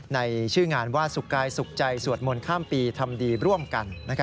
ในชื่องานว่าสุขกายสุขใจสวดมนต์ข้ามปีทำดีร่วมกัน